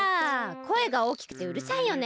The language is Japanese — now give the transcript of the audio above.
こえがおおきくてうるさいよね。